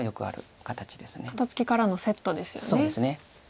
肩ツキからのセットですよね。